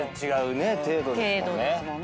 程度ですもんね。